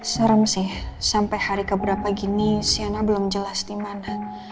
serem sih sampai hari keberapa gini shena belum jelas dimana